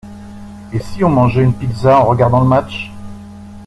Et si on mangeait une pizza en regardant le match?